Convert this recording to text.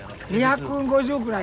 ２５０くらいです。